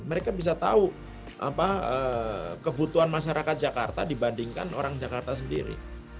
mereka bisa tahu kebutuhan masyarakat jakarta dibandingkan orang jakarta sendiri